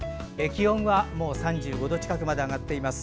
気温は３５度近くまで上がっています。